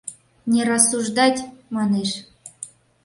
— Не рассуждать! — манеш.